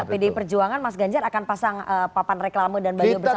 pdi perjuangan mas ganjar akan pasang papan reklama dan baliho bersama dengan presiden gak